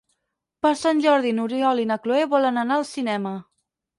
Per Sant Jordi n'Oriol i na Cloè volen anar al cinema.